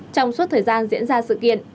trong suốt thời gian diễn ra sự kiện